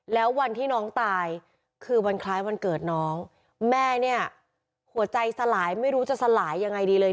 แล้ววันที่น้องตายคือวันคล้ายวันเกิดน้องแม่เนี่ยหัวใจสลายไม่รู้จะสลายยังไงดีเลย